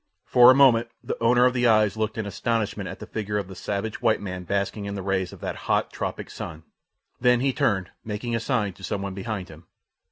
For a moment the owner of the eyes looked in astonishment at the figure of the savage white man basking in the rays of that hot, tropic sun; then he turned, making a sign to some one behind him.